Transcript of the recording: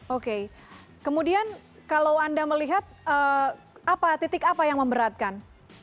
oke kemudian kalau anda melihat titik apa yang memberatkan